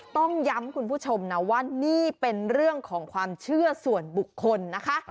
ต้องย้ำคุณผู้ชมนะว่านี่เป็นเรื่องของความเชื่อส่วนบุคคลนะคะ